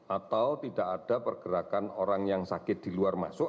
atau tidak ada pergerakan orang yang sakit di luar masuk